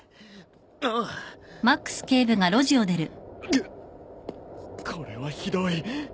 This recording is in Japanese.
ぐっこれはひどい。